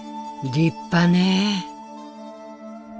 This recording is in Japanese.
立派ね。